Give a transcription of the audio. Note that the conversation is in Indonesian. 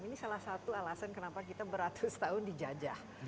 ini salah satu alasan kenapa kita beratus tahun dijajah